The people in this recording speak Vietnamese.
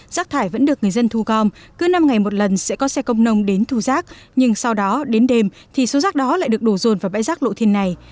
rác thải vẫn được người dân thu gom cứ năm ngày một lần sẽ có xe công nông đến thu rác nhưng sau đó đến đêm thì số rác đó lại được đổ rồn vào bãi rác lộ thiên này